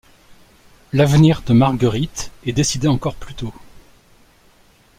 L'avenir de Marguerite est décidé encore plus tôt.